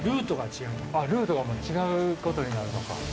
あっルートがもう違うことになるのか。